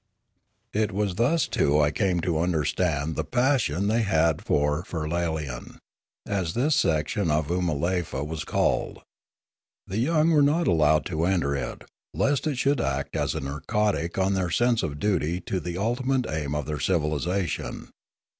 It was thus too I came to understand the passion they had for Firlalain, as this section of Oomalefa was called. The young were not allowed to enter it, lest it should act as a narcotic on their sense of duty to the ultimate aim of their civilisation.